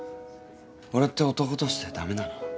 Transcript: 俺って男として駄目なの？